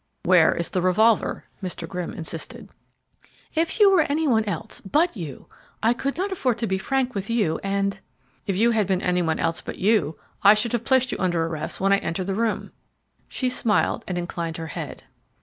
"Where is the revolver?" Mr. Grimm insisted. "If you were any one else but you! I could not afford to be frank with you and " "If you had been any one else but you I should have placed you under arrest when I entered the room." She smiled, and inclined her head.